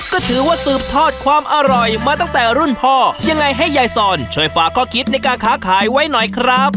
ก็ถือว่าสืบทอดความอร่อยมาตั้งแต่รุ่นพ่อยังไงให้ยายซอนช่วยฝากข้อคิดในการค้าขายไว้หน่อยครับ